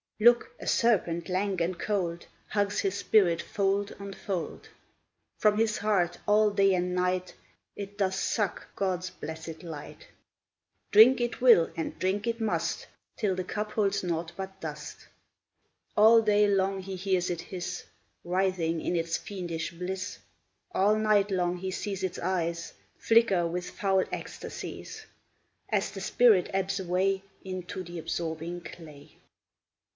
Look! a serpent lank and cold Hugs his spirit fold on fold; From his heart, all day and night, It doth suck God's blessed light. Drink it will, and drink it must, Till the cup holds naught but dust; All day long he hears it hiss, Writhing in its fiendish bliss; All night long he sees its eyes Flicker with foul ecstasies, As the spirit ebbs away Into the absorbing clay.